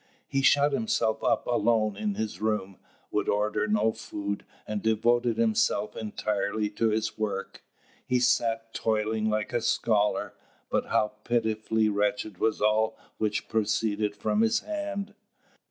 He shut himself up alone in his room, would order no food, and devoted himself entirely to his work. He sat toiling like a scholar. But how pitifully wretched was all which proceeded from his hand!